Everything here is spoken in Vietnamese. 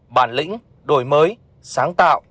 hai bản lĩnh đổi mới sáng tạo